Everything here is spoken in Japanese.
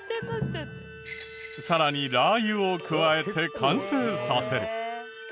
さらにラー油を加えて完成させる。